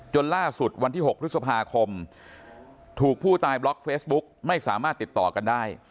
ล่าสุดวันที่๖พฤษภาคมถูกผู้ตายบล็อกเฟซบุ๊กไม่สามารถติดต่อกันได้